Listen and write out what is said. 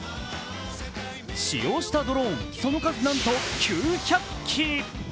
使用したドローン、その数なんと９００機。